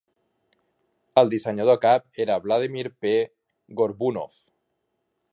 El dissenyador cap era Vladimir P. Gorbunov.